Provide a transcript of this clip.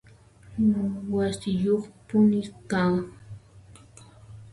Wasiyuqpuni kaq